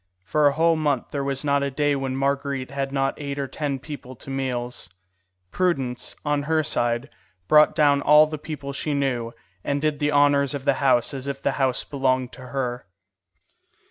For a whole month there was not a day when Marguerite had not eight or ten people to meals. Prudence, on her side, brought down all the people she knew, and did the honours of the house as if the house belonged to her.